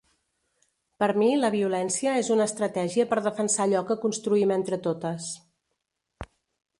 Per mi la violència és una estratègia per defensar allò que construïm entre totes.